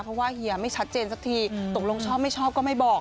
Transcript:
เพราะว่าเฮียไม่ชัดเจนสักทีตกลงชอบไม่ชอบก็ไม่บอก